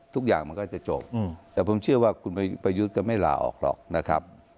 ทุกอย่างมันก็จะจบแต่ผมเชื่อว่าคุณประยุทธ์ก็ไม่ลาออกหรอกนะครับ